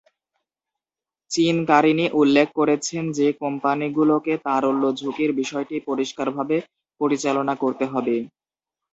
চিনকারিনি উল্লেখ করেছেন যে কোম্পানিগুলোকে তারল্য ঝুঁকির বিষয়টি পরিষ্কারভাবে পরিচালনা করতে হবে।